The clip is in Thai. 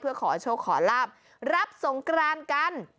เพื่อขอโชคขอลาบรับสงกรานกัน